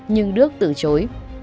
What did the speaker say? nhưng đức từ chối